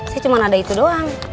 saya cuma ada itu doang